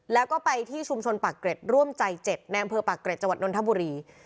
แล้วก็ไปที่ชุมชนปากเกร็ดร่วมใจ๗ในอำเภอปากเกร็จจังหวัดนทบุรี